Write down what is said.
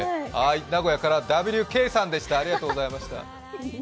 名古屋からＷ・Ｋさんでした。